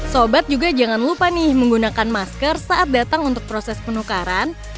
sobat juga jangan lupa nih menggunakan masker saat datang untuk proses penukaran